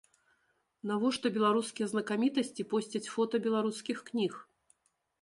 Навошта беларускія знакамітасці посцяць фота беларускіх кніг?